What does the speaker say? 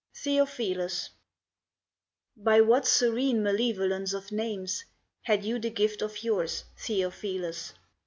Theophilus By what serene malevolence of names Had you the gift of yours, Theophilus?